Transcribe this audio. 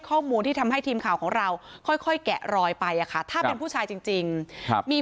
ข้อมูลที่ทำให้ทีมข่าวของเราค่อยแกะรอยไปถ้าผู้ชายจริงมี